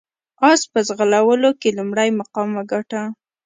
اس په ځغلولو کې لومړی مقام وګاټه.